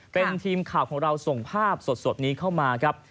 เป็นทีมข่าวของเราส่งภาพสดนี้เข้ามาครับ